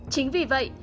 chính vì vậy